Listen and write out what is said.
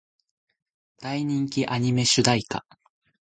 大人気アニメ主題歌